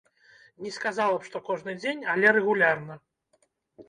Не сказала б, што кожны дзень, але рэгулярна.